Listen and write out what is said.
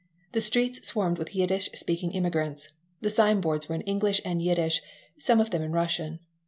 The streets swarmed with Yiddish speaking immigrants. The sign boards were in English and Yiddish, some of them in Russian.